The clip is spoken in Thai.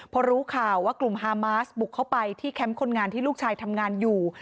พอรู้ข่าวว่ากลุ่มฮามาสบุกเข้าไปที่แคมป์คนงานที่ลูกชายทำงานอยู่